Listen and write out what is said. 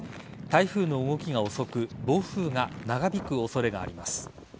台風の動きが遅く暴風が長引く恐れがあります。